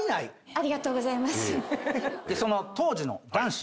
ありがとうございます。